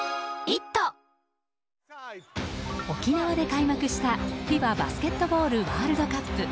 沖縄で開幕したＦＩＢＡバスケットボールワールドカップ。